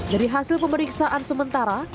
dari hasil pemeriksaan sementara